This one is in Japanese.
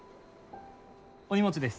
お荷物です。